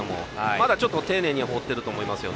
まだ、丁寧に放っていると思います。